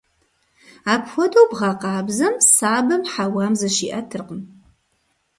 Апхуэдэу бгъэкъабзэм сабэм хьэуам зыщиӀэтыркъым.